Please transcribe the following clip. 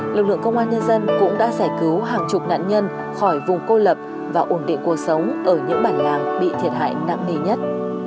lực lượng công an nhân dân cũng đã giải cứu hàng chục nạn nhân khỏi vùng cô lập và ổn định cuộc sống ở những bản làng bị thiệt hại nặng nề nhất